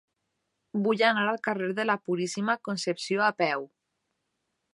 Vull anar al carrer de la Puríssima Concepció a peu.